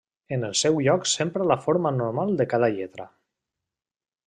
En el seu lloc s'empra la forma normal de cada lletra.